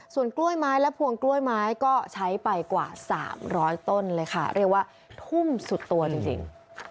ส่วนกล้วยไม้และพวงกล้วยไม้ก็ใช้ไปกว่า๓๐๐ต้นเลยค่ะเรียกว่าทุ่มสุดตัวจริง